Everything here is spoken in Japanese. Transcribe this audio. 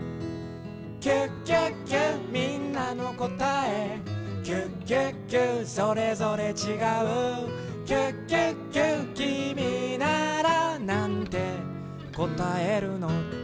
「キュキュキュみんなのこたえ」「キュキュキュそれぞれちがう」「キュキュキュきみならなんてこたえるの？」